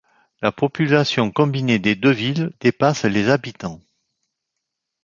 La population combinée des deux villes dépasse les d'habitants.